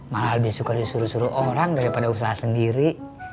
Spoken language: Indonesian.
malah lebih suka disuruh suruh orang daripada usaha sendiri